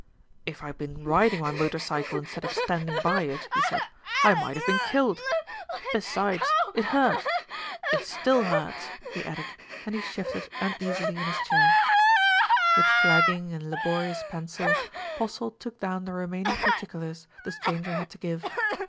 "If I had been riding my motor cycle instead of standing by it," he said, "I might have been killed. Be sides, it hurt. It still hurts," he added, and he shifted uneasily in his chair. 236 THE RETURN OF ALFRED With flagging and laborious pencil, Postle took down the remaining particulars the stranger had to give.